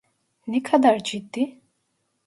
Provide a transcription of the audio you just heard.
Ne kadar ciddi?